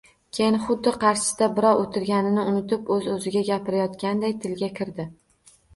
Keyin xuddi qarshisida birov o`tirganini unutib, o`z-o`ziga gapirayotganday tilga kirdi